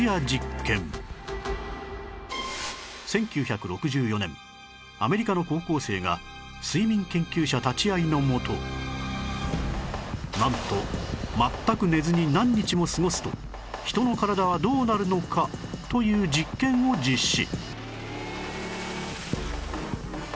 １９６４年アメリカの高校生が睡眠研究者立ち会いのもとなんと全く寝ずに何日も過ごすと人の体はどうなるのかという実験を実施